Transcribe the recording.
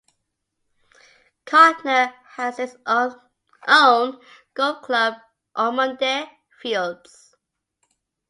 Codnor has its own golf club, Ormonde Fields.